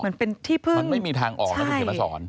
มันไม่มีทางออกนั้นมันเห็นประสอน